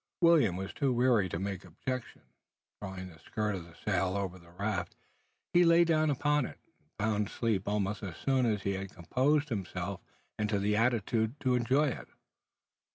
William was too wearied to make objection. Drawing the skirt of the sail over the raft, he lay down upon it, and found sleep almost as soon is he had composed himself into the attitude to enjoy it.